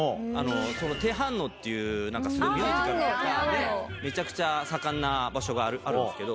テハンノっていうなんかすごくミュージカルがめちゃくちゃ盛んな場所があるんですけど。